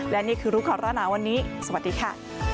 และนี่คือรุกรณะวันนี้สวัสดีค่ะ